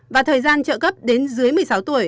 và thời gian trợ cấp đến dưới một mươi sáu tuổi